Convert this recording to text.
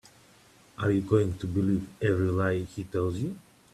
Are you going to believe every lie he tells you?